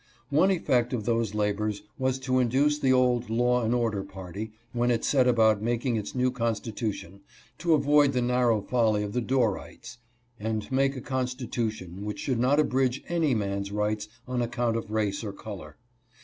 One effect of those labors was to induce the old " Law and Order " party, when it set about making its new constitu tion, to avoid the narrow folly of the Dorrites, and make a constitution which should not abridge any man's rights on account of race or color.